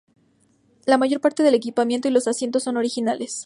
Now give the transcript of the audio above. La mayor parte del equipamiento y los asientos son originales.